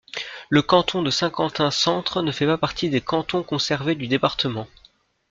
Le canton de Saint-Quentin-Centre ne fait pas partie des cantons conservés du département.